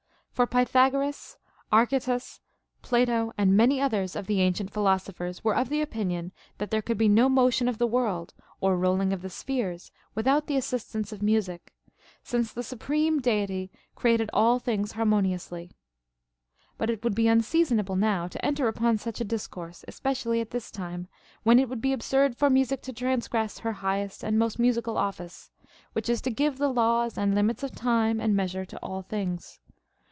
For Pythagoras, Archytas, Plato, and many others of the ancient philosophers, were of opinion, that there could be no motion of the Avorld or rolling of the spheres without the assistance of music, since the Supreme Deity created all things harmoniously. But • Odyss. I. 152. CONCERNING MUSIC. 135 it would be unseasonable now to enter upon such a dis course, especially at this time, when it would be absurd for Music to transgress her highest and most musical office, which is to give the laws and limits of time and measure to all things.